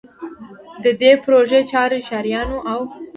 د دې پروژې چارې ښاریانو او